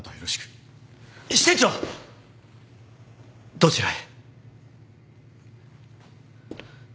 どちらへ？